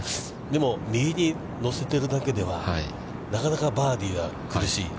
でも、右に乗せているだけではなかなかバーディーが苦しい。